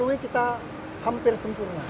ini sudah hampir sempurna